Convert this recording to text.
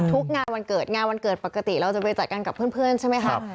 งานวันเกิดงานวันเกิดปกติเราจะไปจัดกันกับเพื่อนใช่ไหมครับ